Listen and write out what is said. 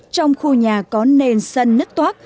trong khu nhà có nền sân nứt toát